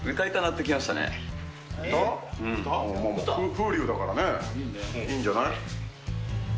風流だからね、いいんじゃない。